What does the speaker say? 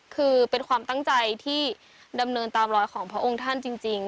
คือเป็นความตั้งใจที่ดำเนินตามรอยของพระองค์ท่านจริง